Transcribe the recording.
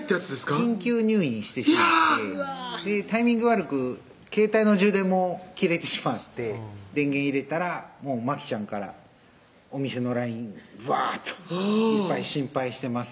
緊急入院してしまってタイミング悪く携帯の充電も切れてしまって電源入れたら麻紀ちゃんからお店のＬＩＮＥブワーッといっぱい「心配してます」